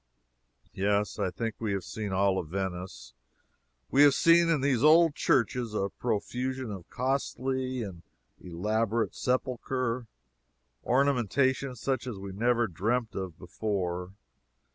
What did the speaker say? Yes, I think we have seen all of Venice. We have seen, in these old churches, a profusion of costly and elaborate sepulchre ornamentation such as we never dreampt of before.